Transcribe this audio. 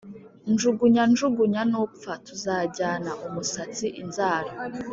Njugunya njugunya nupfa tuzajyana-Umusatsi - Inzara.